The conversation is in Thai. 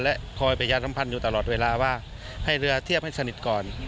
และคอยประชาสัมพันธ์อยู่ตลอดเวลาว่าให้เรือเทียบให้สนิทก่อน